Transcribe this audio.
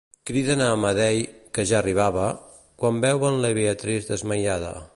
Criden a Amedei, que ja arribava, quan veuen la Beatrice desmaiada.